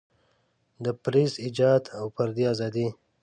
د پریس ایجاد او فردي ازادۍ.